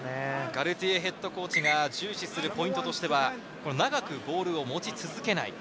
ガルティエＨＣが重視するポイントとしては長くボールを持ち続けない。